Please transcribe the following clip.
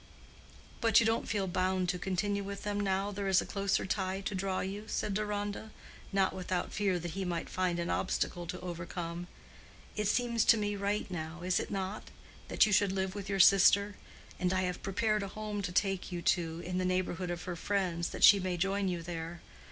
"But you don't feel bound to continue with them now there is a closer tie to draw you?" said Deronda, not without fear that he might find an obstacle to overcome. "It seems to me right now—is it not?—that you should live with your sister; and I have prepared a home to take you to in the neighborhood of her friends, that she may join you there.